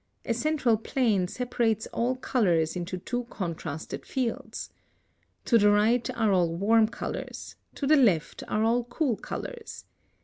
A central plane separates all colors into two contrasted fields. To the right are all warm colors, to the left are all cool colors.